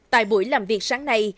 tại buổi làm việc sáng nay